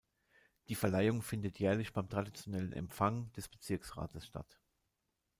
Die Verleihung findet jährlich beim traditionellen Empfang des Bezirksrates statt.